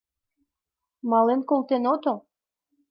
— Мален колтен отыл?